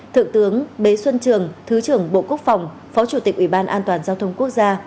thượng tướng bế xuân trường thứ trưởng bộ quốc phòng phó chủ tịch ubndgqg